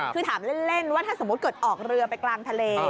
คือถามเล่นว่าถ้าสมมุติเกิดออกเรือไปกลางทะเล